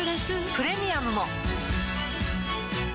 プレミアムも